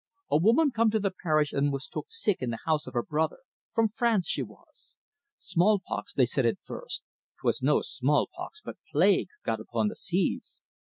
A woman come to the parish an' was took sick in the house of her brother from France she was. Small pox they said at furst. 'Twas no small pox, but plague, got upon the seas.